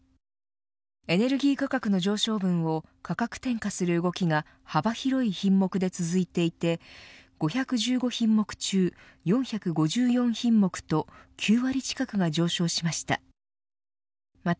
エネルギー価格の上昇分を価格転嫁する動きが幅広い品目で続いていて５１５品目中４５４品目と９割近くが上昇しました。